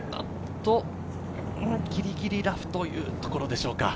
ぎりぎりラフというところでしょうか。